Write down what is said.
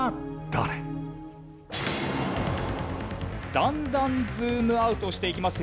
だんだんズームアウトしていきますよ。